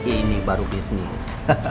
ini baru bisnis